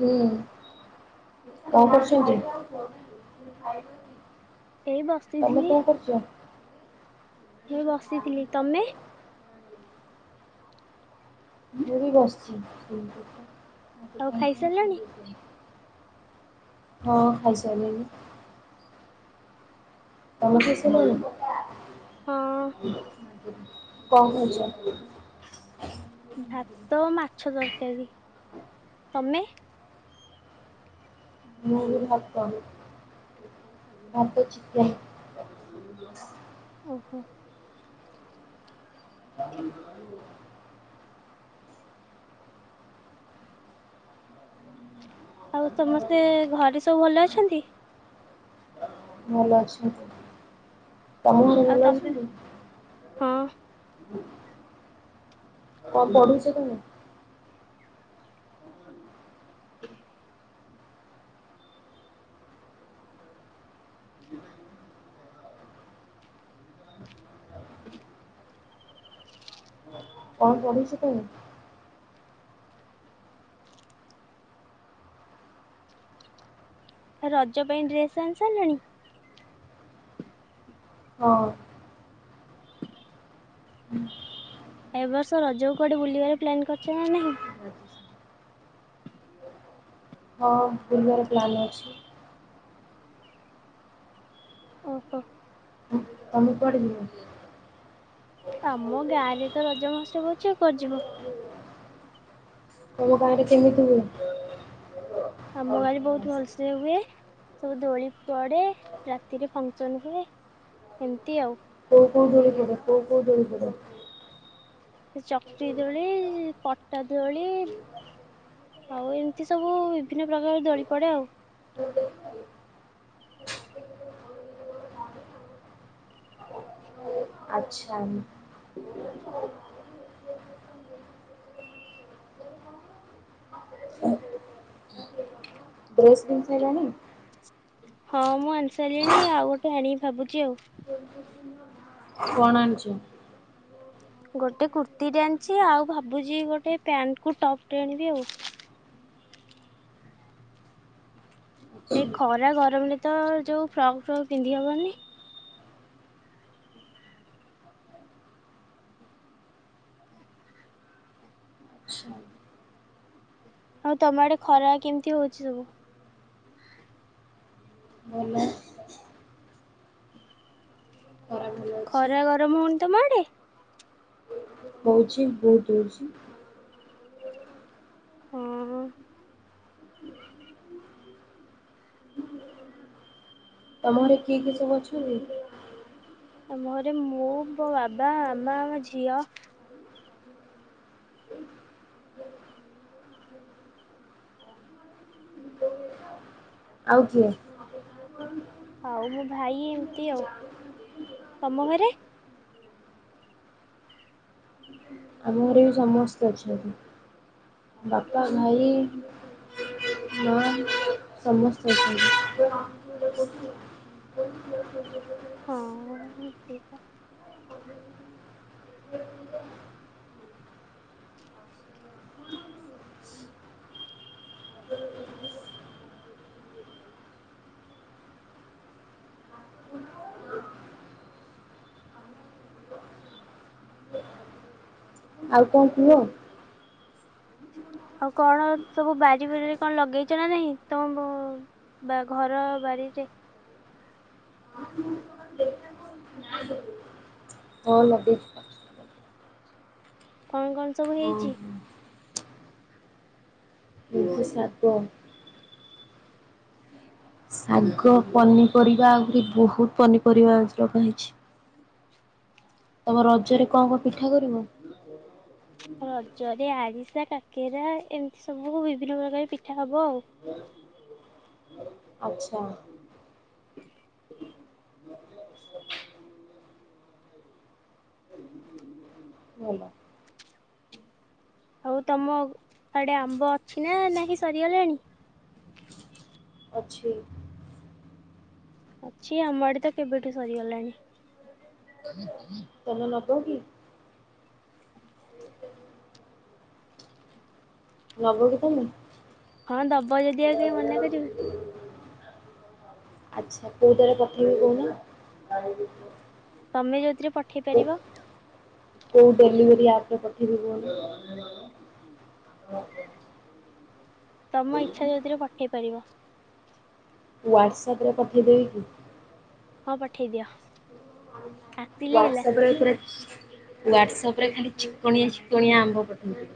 ହୁଁ କଣ କରୁଛନ୍ତି? ଏଇ ତମେ ବସିଥିଲି କଣ କରୁଛ? ହେ ବସିଥିଲି ତମେ? ମୁ ବି ବସଛି ଆଉ ଖାଇସାରିଲଣି? ହଁ ଖାଇ ସାରିଲିଣି। ତମେ ସେ ଶୁଣନ ହଁ କଣ କରୁଛ? ଭାତ ମାଛ ତରକାରୀ ତମେ? ମୁ ବି ଭାତ ଭାତ ଚିିକେନ। ହ ଓହୋ [unintelligible] ଆଉ ସମସ୍ତେ ଘରେ ସବୁ ଭଲ ଅଛନ୍ତି। ଭଲ ଅଛନ୍ତି ତମ ଘରେ ଆଉ ଭଲ ତମେ ଅଛନ୍ତି? ହଁ। [unintelligible] କଣ ପଢୁଛ ତମେ? [inaudible] କଣ ପଢୁଛ ତମେ? ରଜ ପାଇଁ ଡ୍ରେସ୍ ଆଣି ସାରିଲଣି? ହଁ। ହୁଁ ଏବ ବର୍ଷ ରଜକୁ କୁଆଡ଼େ ବୁଲିବାର ପ୍ଲାନ୍ କରିଛ ନା ନାହିଁ। ହଁ ବୁଲିବାର ପ୍ଲାନ୍ ଅଛି। ଓହୋ। ତମେ କୁଆଡ଼େ ଯିବ। ଆମ ଗାଁ ରେ ତ ରଜ ମହାଉତ୍ସବ ଅଛି ଆଉ କୁଆଡେ ଯିବ। ତୁମ ଗାଁ ରେ କେମିତି ହୁଏ? ଆମ ଗାଁ ରେ ବହୁତ ଭଲସେ ହୁଏ ସବୁ ଦୋଳି ପଡ଼େ ରାତିରେ ଫଙ୍କସନ ହୁଏ। ଏମିତି ଆଉ। କୋଉ କୋଉ ଦୋଳି ପଡିବ କୋଉ କୋଉ ଦୋଳି ପଡିଵ। ସେ ଚକି ଦୋଳି ପଟା ଦୋଳି। ଆଉ ଏମିତି ସବୁ ବିଭିନ୍ନ ପ୍ରକାର ଦୋଳି ପଡେ ଆଉ। [unintelligible] ଆଚ୍ଛା। ହ [inaudible] ଡ୍ରେସ କିଣି ସାରିଲଣି? ହଁ ମୁଁ ଆଣି ସାରିଲିଣି ଆଉ ଗୋଟେ ଆଣିଵି ଭାବୁଛି ଆଉ। [inaudible] କଣ ଆଣିଚି? ଗୋଟେ କୁର୍ତ୍ତିୀ ଟେ ଆଣିଚି ଆଉ ଭାବୁଛି ଗୋଟେ ପ୍ୟାଣ୍ଟକୁୁ ଟପ୍ ଟେ ଆଣିବି ଆଉ। ଏଇ ଖରା ଗରମରେ ତ ଯୋଉ ଫ୍ରକ୍ ଫ୍ରକ୍ ପିନ୍ଧି ହବନି। ଆା [inaudible] ଆଉ ତମ ଆଡେ ଖରା କେମିତି ହଉ‌ଛି ସବୁ। ଭଲ। [inaudible] ଖରା ଭଲ ଅଛି। ଖରା ଗରମ ହଉନି ତମ ଆଡେ? ହଉଚି ବହୁତ ହଉଚି। ହଁ ତମ ଘରେ କିଏ କିଏ ସବୁ ଅଛନ୍ତି? ଆମ ଘରେ ମୁଁ ମୋ ବାବା, ମାମା, ଆମ ଝିଅ। ଆଉ କିଏ? [inaudible] ଆଉ ମୋ ଭାଇ ଏମିତି ଆଉ। ତମ ଘରେ? ହ [inaudible] ଆମ ଘରେ ବି ସମସ୍ତେ ଅଛନ୍ତି ବାପା, ଭାଇ ମା ସମସ୍ତେ ଅଛନ୍ତି। [inaudible] ହଁ ତ। [inaudible] ଆଉ କଣ କୁହ? ଆଉ କଣ ସବୁ ବାରି ଫାରିରେ କଣ ଲଗେଇଚ ନା ନାଇଁ ତମ ବ ବା ଘର ବାରି ଟେ। [inaudible] ହଁ ଲଗେଇଚୁ। କଣ କଣ ସବୁ ହଁ ହେଇଚି? ହଁ [inaudible] ଶାଗ। ଶାଗ ପନିପରିବା ଆହୁରି ବହୁତ ପନିପରିବା ଆଜି ଲଗା ହେଇଚି। ତମ ରଜରେ କଣ କଣ ପିଠା କରିବ? ରଜରେ ଆରିସା, କାକେରା, ଏମିତି ସବୁ ବିଭିନ୍ନ ପ୍ରକାର ପିଠା ହବ ଆଉ। ଆଚ୍ଛା। ଭଲ। ହଉ ତମ ଆଡେ ଆମ୍ବ ଅଛି ନା ନାହିଁ ସରିଗଲାଣି? ଅଛି। ଅଛି, ଆମ ଆଡେ ତ କେବେଠୁ ସରିଗଲାଣି। [inaudible] ତମେ ନବ କି? ନବ କି ତମେ? ହଁ ଦବ ଯଦି [unintelligible] ମନା କରିବୁ। ଆଚ୍ଛା, କୋଉ ଟାରେ ପଠେଇବି କହୁନ। ତମେ ଯଉଥିରେ ପଠେଇ କୋଉ ପାରିବ। କୋଉ ଡେଲିଭରି ଆପରେ ପଠେଇବି କହୁନୁ। ତମ ଇଚ୍ଛା ଯୋଉଥିରେ ପଠେଇ ପାରିବ। ହ୍ୱାଟ୍ସଅପରେ ପଠେଇଦେବି କି? ହଁ ପଠେଇଦିଅ। ହ୍ୱାଟ୍ସଅପରେ ପୁରା ଚି ହ୍ୱାଟ୍ସଅପରେ ଖାଲି ଚିକଣିଆ ଚିକଣିଆ ଆମ୍ବ ପଠୋଉଚି।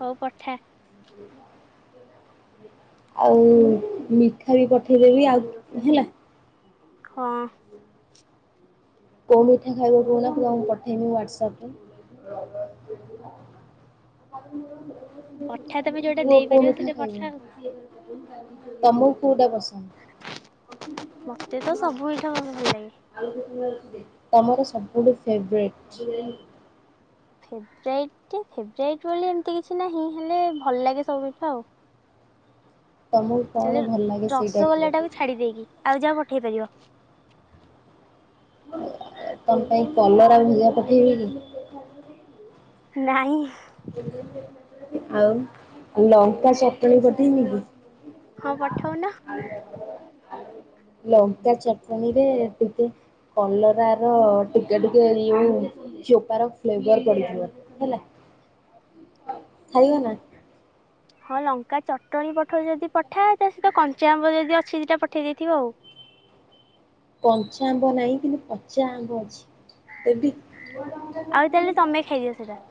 ହୋଉ ପଠା। ଆଉ ମିଠା ବି ପଠେଇଦେବି ଆଉ ହେଲା। ହଁ। କୋଉ ମିଠା ଖାଇବ କୋହୁନ ପୁରା ମୁଁ ପଠେଇମି ହ୍ୱାଟ୍ସଅପରେ। ପଠା ତମେ ଯୋଉଟା କୁହ କୋଉ ଦେଇପାରିବ ମିଠା ସେଟା ଖାଇବ? ପଠା ଆଉ। ତମକୁ କୋଉଟା ପସ ମତେ ତ ସବୁ ମିଠା ମତେ ଭଲ ଲାଗେ। ତମର ସବୁଠୁ ଫେବେ୍ରେଟ୍? ଫେବରାଇଟା ଫେବରାଇଟ୍ ବୋଲି ଏମତି କିଛି ନାହିଁ ହେଲେ ଭଲ ଲାଗେ ସବୁ ମିଠା ଆଉ। ତମକୁ ଚାଲେ କଣ ଭଲଲାଗେ ସେଇଟା ରସଗୋଲା କୁହେ? ଟାକୁ ଛାଡି ଦେଇକି ଆଉ ଯାହା ପଠେଇ ପାରିବ। ତମ ପାଇଁ କଲରା ଭଜା ପଠେଇବେ କି? ନାଇଁ। ଆଉ ଲଙ୍କା ଚଟଣି ପଠେଇମି କି? ହଁ ପଠୋଉନ। ଲଙ୍କା ଚଟଣିରେ ଟିକେ କଲରାର ଟିକେ ଟିକେ ଇଏ ଚୋପାର ଫ୍ଲେଭର ପଡିଥିବ ହେଲା। [inaudible] ଖାଇବ ନା? ହଁ ଲଙ୍କା ଚଟଣି ପଠୋଉଚୁ ଯଦି ପଠା ତା ସହିତ କଞ୍ଚା ଆମ୍ବ ଯଦି ଅଛି ଦିଇଟା ପଠେଇ ଦେଇଥିବୁ ଆଉ। କଞ୍ଚା ଆମ୍ବ ନାଇଁ କିନ୍ତୁ ପଚା ଆମ୍ବ ଅଛି ଦେବି? ଆଉ ତାହାଲେ ତମେ ଖାଇଦିଅ ସେଇଟା।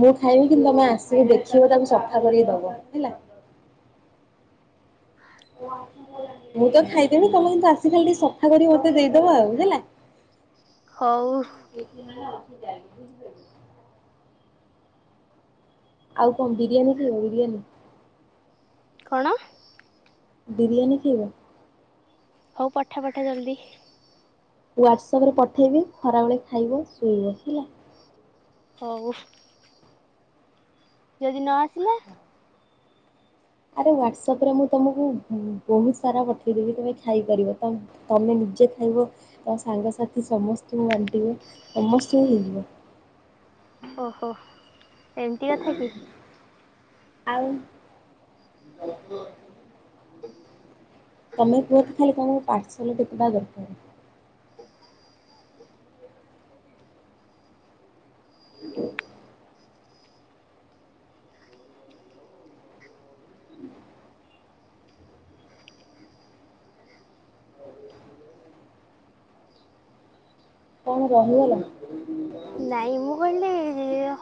ମୁଁ ଖାଇବି କିନ୍ତୁ ତମେ ଆସିବ ଦେଖିବ ତାକୁ ସଫା କରିକି ଦବ ହେଲା। ମୁଁ ତ ଖାଇଦେବି ତମେ କିନ୍ତୁ ଆସିକି ଏଠି ସଫା କରିକି ମତେ ଦେଇଦବ ଆଉ ହେଲା। ହୋଉ। [inaudible] ଆଉ କଣ ବିରିୟାନୀ ଖାଇବ ବିରିୟାନୀ? କଣ? ବିରିୟାନୀ ଖାଇବ? ହୋଉ ପଠା ପଠା ଜଲଦି। ହ୍ଵାଟସଆପରେ ପଠେଇବି ଖରାବେଳେ ଖାଇବ ଶୋଇବ ହେଲା। ହୋଉ। ଯଦି ନ ଆସିଲା? ଆରେ ହ୍ୱାଟସଆପରେ ମୁଁ ତୁମକୁ ବୋହୁତ ସାରା ପଠେଇଦେବି ତମେ ଖାଇପାରିବ ତମ୍ ତମେ ନିଜେ ଖାଇବ ତମ ସାଙ୍ଗସାଥି ସମସ୍ତଙ୍କୁ ବାଣ୍ଟିବ ସମସ୍ତଙ୍କୁ ହେଇଯିବ। ଓହୋ। ଏମିତି କଥା କି ଆଉ ହ। ତମେ କୁହ ତ ଖାଲି ତମକୁ ପାର୍ସଲ କେତେଟା ଦରକାର? ହଁ। କଣ ରହିଗଲ? ନାଇଁ ମୁଁ କହିଲି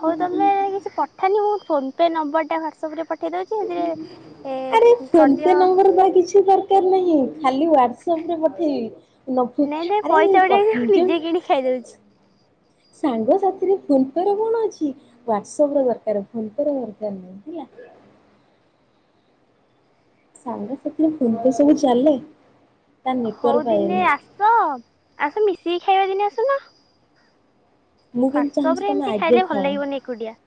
ହୋଉ ତମେ କିଛି ପଠାନି ମୁଁ ଫୋନ ପେ ନମ୍ବର ଟା ହ୍ୱାଟସଆପ ରେ ପଠେଇ ଦଉଛି ସେଥିରେ ଏ ଆରେ ଫୋନ ପେ କରିଦିଅ ନମ୍ବର ବା କିଛି ଦରକାର ନାହିଁ ଖାଲି ୱାଟସପ ରେ ପଠେଇବି। ନ ନାଇଁ ନାଇଁ ପଇସା ଗୁଡା ମୁଁ ଆରେ ଯେ ନିଜେ କିଣି ଖାଇଦଉଛି ସାଙ୍ଗସାଥିରେ ଫୋନ୍ପେ ରେ କଣ ଅଛି। ହ୍ଵାଟସଆପ ର ଦରକାର ଫୋନ ପେ ର ଦରକାର ନାହିଁ ହେଲା। ସାଙ୍ଗ ସାଥିରେ ଫୋନ ପେ ସବୁ ଚାଲେ? ତା ହଉ ନେଟୱାର୍କ ଦିନେ ପାଏନି। ଆସ ଆସ ମିଶିକି ଖାଇବା ଦିନେ ଆସୁନ। ମୁଁ କିନ୍ତୁ ହ୍ୱାଟସପ ଚାହୁଁଛି ରେ ତମେ ଏମିତି ଆଗେ ଖାଇଲେ ଭଲ ଖାଅ। ଲାଗିବନି ଏକୁଟିଆ।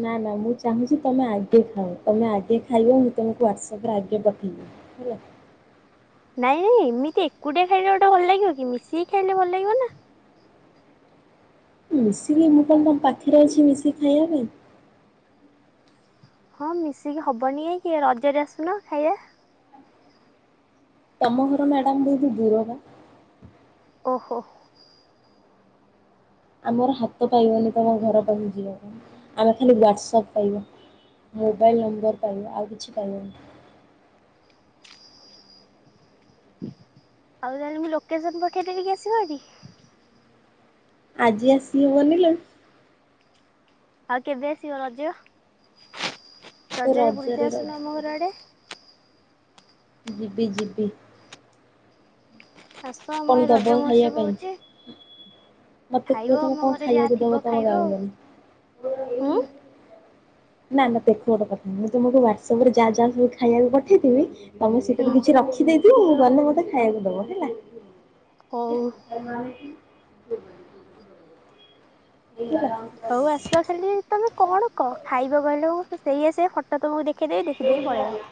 ନା ନା ମୁଁ ଚାହୁଁଛି ତମେ ଆଗେ ଖାଅ ତମେ ଆଗେ ଖାଇବ ମୁଁ ତମକୁ ହ୍ୱାଟ୍ସଆପ ରେ ଆଗେ ପଠେଇବି। ହେଲା। ନାଇଁ ନାଇଁ ଏମିତି ଏକୁଟିଆ ଖାଇଲେ ଗୋଟେ ଭଲ ଲାଗିବ କି ମିଶିକି ଖାଇଲେ ଭଲ ଲାଗିବ ନା ମିଶିକି ମୁଁ କଣ ତମ ପାଖରେ ଅଛି ମିଶିକି ଖାଇବା ପାଇଁ। ହଁ ମିଶିକି ହବନି ଏଇ କି ରଜରେ ଆସୁନ ଖାଇବା। ତମ ଘର ମ୍ୟାଡମ ବହୁତ ଦୂର ବା। ଓହୋ। ଆମର ହାତ ପାଇବନି ତମ ଘର ପାଖକୁ ଯିବାକୁ ଆମେ ଖାଲି ହ୍ୱାଟ୍ସଆପ୍ ପାଇବ। ମୋବାଇଲ୍ ନମ୍ବର ପାଇବ ଆଉ କିଛି ପାଇବନି। ଆଉ ତାହେଲେ ମୁଁ ଲୋକେସନ ପଠେଇ ଦେବିକି ଆସିବ ଏଠି। ଆଜି ଆସି ହବନି ଲୋ ଆଉ କେବେ ଆସିବ ରଜ ରଜରେ ରଜରେ ବୁଲିତେ ଆସୁନ ଆମ ରଜରେ ଘର ଆଡେ। ଯିବି ଯିବି। ଆସ ଆମ ଏ ରଜ ମହୋତ୍ସବ ହଉଛି। ହଁ। ମତେ ଖାଇବ କୁହ ତମେ ଆମ କଣ ଘରେ ଯାହା ଖାଇବାକୁ ଥିବ ଦବ ତମ ଖାଇବ ଗାଁକୁ ଆଉ ହୁଁ ଗଲେ। ନାନା କଥା [unintelligible] କୁହ ମୁଁ ତମକୁ ହ୍ୱାଟସଆପ ରେ ଯାହା ଯାହା ସବୁ ଖାଇବାକୁ ପଠେଇଥିବି ତମେ ହୁଁ ସେଇଟାରୁ କିଛି ରଖିଦେଇଥିବ। ମୁଁ ଗଲେ ମୋତେ ଖାଇବାକୁ ଦବ ହେଲା। ହଉ। ଆମାନୋ [unintelligible] କି ବୁଝିଲ ହଉ ଆସ ଖାଲି ତମେ କଣ କହ ଖାଇବ କହିଲ ମୁଁ ସେୟା ସେୟା ଫଟୋ ତୁମକୁ ଦେଖେଇଦେବି ଦେଖିଦେଇ ପଳେଇବ।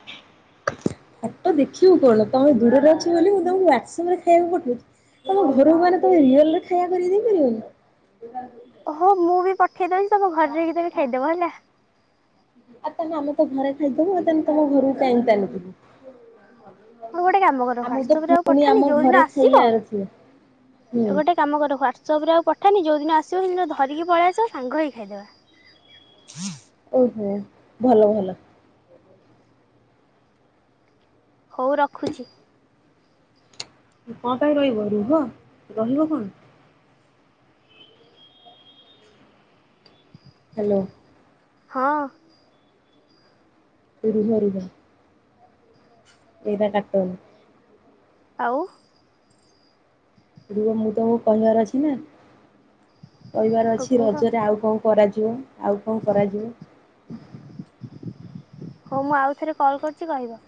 ଫଟୋ ଦେଖିବୁ କଣ ତମେ ଦୂରରେ ଅଛି ବୋଲି ମୁଁ ତମକୁ ହ୍ଵଟସଆପ ରେ ଖାଇବାକୁ ପଠେଇଛି ତମ ଘରକୁ ଗଲେ ତମେ ରିଅଲ୍ ରେ ଖାଇବା କରି ଦେଇ ପାରିବନି। ଓହୋ ମୁଁ ବି ପଠେଇଦଉଛି ତମ ଘରେ ଯାଇକି ତମେ ଖାଇଦବ ହେଲା। ଆଉ ତାହେଲେ ଆମେ ତ ଘରେ ଖାଇଦବୁ ଆଉ ତାହେଲେ ତମ ଘରକୁ କାଇଁ ତାହେଲେ ଯିବୁ। ହଉ ଗୋଟେ କାମ କର ଆମକୁ ତ ହ୍ୱାଟ୍ସଆପରେ ଆଉ ପୁଣି ପଠାନି ଆମ ଯୋଉଦିନ ଘରେ ଆସିବ ଖାଇବାର ହୁଁ ଗୋଟେ କାମ କର ହ୍ୱାଟସଆପ ରେ ଆଉ ପଠାନି ଯୋଉଦିନ ଆସିବ ସେଦିନ ଧରିକି ପଳେଇଆସିବ ସାଙ୍ଗ ହେଇ ଖାଇଦେବା। ହଁ। ଓହୋ ଭଲ ଭଲ ହଉ ରଖୁଛି କଣ ପାଇଁ ରହିବ ରୁହ ରହିବ କଣ ହ୍ୟାଲୋ ହଁ ପୁରି ଝ୍ରିବା ଏଇଟା କାଟନ ଆଉ। ମୁଁ ତମୁ କହିବାର ଅଛି ନା କହିବାର ଅଛି କହିବାର ଅଛି କୁହ ରଜରେ ଆଉ କଉ କରାଯିବ ଆଉ କଁ କରାଯିବ? ହଉ ମୁଁ ଆଉଥରେ କଲ କରୁଛି କହିବ।